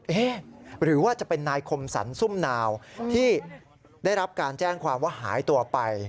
หรือว่าจะเป็นนายคมสรรซุ่มนาวที่ได้รับการแจ้งความว่าหายตัวไป